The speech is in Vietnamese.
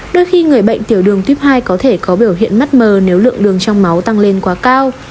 đôi khi người bệnh tiểu đường tuyếp hai có thể có biểu hiện mắt mờ nếu lượng đường trong máu tăng lên quá cao